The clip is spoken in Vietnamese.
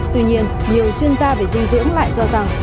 tuy nhiên nhiều chuyên gia về dinh dưỡng lại cho rằng